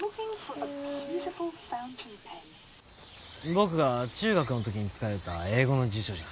僕が中学の時に使ようった英語の辞書じゃ。